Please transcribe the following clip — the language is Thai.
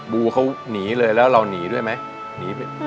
บูเขาหนีเลยแล้วเราหนีด้วยไหมหนีไป